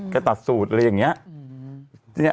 ตัดสูตรอะไรอย่างนี้